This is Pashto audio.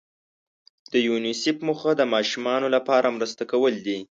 د یونیسف موخه د ماشومانو لپاره مرسته کول دي.